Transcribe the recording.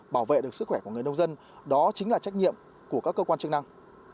bảo vệ được sức khỏe của người nông dân đó chính là trách nhiệm của các cơ quan chức năng